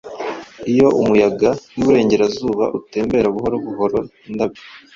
Iyo umuyaga wiburengerazuba utembera buhoro buhoro indabyo;